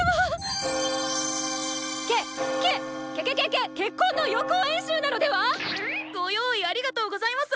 けっ結婚の予行練習なのでは⁉ご用意ありがとうございます！